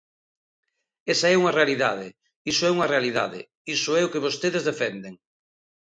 Esa é unha realidade, iso é unha realidade, iso é o que vostedes defenden.